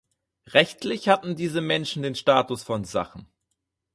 Rechtlich hatten diese Menschen den Status von Sachen.